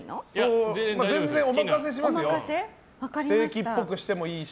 ステーキっぽくしてもいいし。